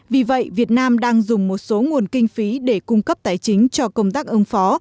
vì vậy việt nam đang dùng một số nguồn kinh phí để cung cấp tài chính cho công tác ứng phó